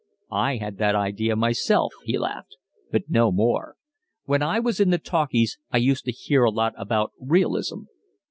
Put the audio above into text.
"I had the idea myself," he laughed. "But no more. When I was in the 'talkies,' I used to hear a lot about realism.